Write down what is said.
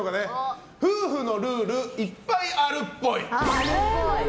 夫婦のルールいっぱいあるっぽい。